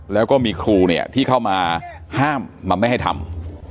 แล้วก็มีครูเนี่ยที่เข้ามาห้ามมันไม่ให้ทำ